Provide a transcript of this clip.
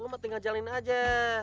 lo tinggal jalanin aja